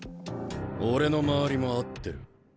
俺の周りも合ってる。